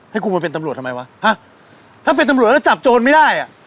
ให้คุณมาเป็นตำรวจทำไมวะฮะถ้าเป็นตำรวจแล้วจับโจรไม่ได้อ่ะ